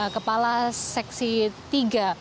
kepala seksi tiga